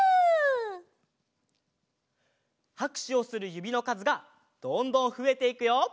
はくしゅをするゆびのかずがどんどんふえていくよ。